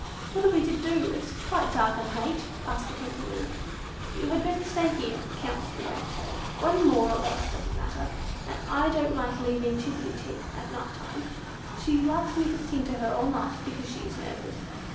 "What are we to do? It is quite dark and late!" asked the Kangaroo. "You had better stay here," counselled the Wagtail. "One night more or less doesn't matter, and I don't like leaving Chip pi ti chip at night time. She likes me to sing to her all night, because she is nervous.